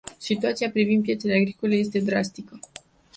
Situația privind piețele agricole este drastică.